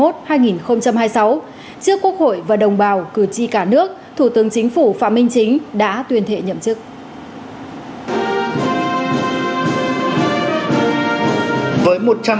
trước quốc hội và đồng bào cử tri cả nước thủ tướng chính phủ phạm minh chính đã tuyên thệ nhậm chức